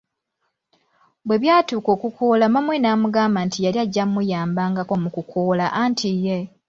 Bwe byatuuka okukoola maama we namugamba nti yali ajja kumuyambako mu kukoola anti ye